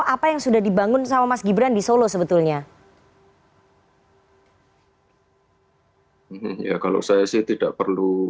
apa yang sudah dibangun sama mas gibran di solo sebetulnya ya kalau saya sih tidak perlu